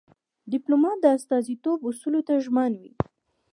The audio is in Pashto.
ډيپلومات د استازیتوب اصولو ته ژمن وي.